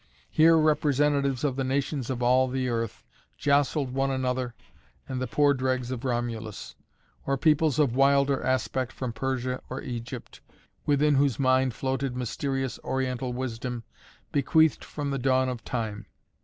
Here representatives of the nations of all the earth jostled one another and the poor dregs of Romulus; or peoples of wilder aspect from Persia or Egypt, within whose mind floated mysterious Oriental wisdom, bequeathed from the dawn of Time.